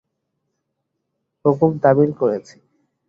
হুকুম তামিল করেছি।